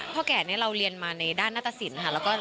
พ่อแก่เนี่ยเราเรียนมาในด้านนะคะสินคมชัย